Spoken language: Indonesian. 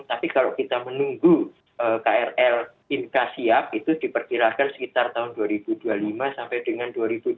tapi kalau kita menunggu krl inka siap itu diperkirakan sekitar tahun dua ribu dua puluh lima sampai dengan dua ribu dua puluh